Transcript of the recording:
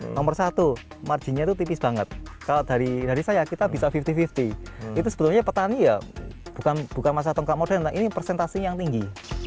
nomor satu marginnya itu tipis banget kalau dari saya kita bisa lima puluh lima puluh itu sebetulnya petani ya bukan masa tongkang modern ini presentasinya yang tinggi